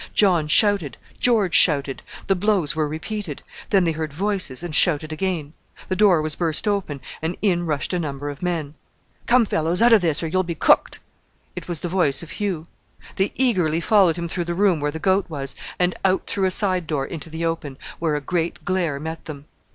John shouted; George shouted; the blows were repeated; then they heard voices and shouted again. The door was burst open and in rushed a number of men. "Come, fellows, out of this, or you'll be cooked!" It was the voice of Hugh. They eagerly followed him through the room where the goat was, and out through a side door into the open, where a great glare met them.